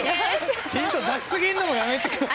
・ヒント出し過ぎんのもやめてください。